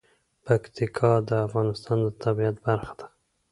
پکتیکا د افغانستان د طبیعت برخه ده.